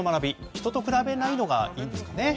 人と比べないのがいいんですかね。